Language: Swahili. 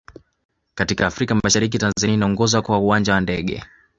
katika afrika mashariki tanzania inaongoza kwa uwanja wa ndege